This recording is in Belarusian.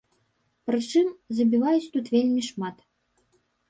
Прычым, забіваюць тут вельмі шмат.